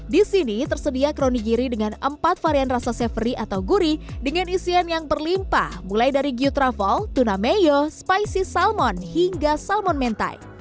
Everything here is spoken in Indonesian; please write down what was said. di sini tersedia kronigiri dengan empat varian rasa savory atau guri dengan isian yang berlimpah mulai dari gyutravol tuna mayo spicy salmon hingga salmon mentai